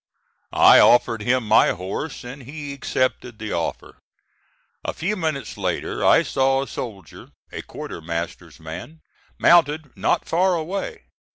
I offered him my horse and he accepted the offer. A few minutes later I saw a soldier, a quartermaster's man, mounted, not far away.